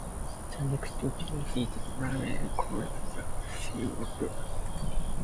The next two seasons, Loughery coached the Chicago Bulls.